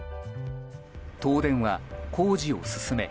東電は工事を進め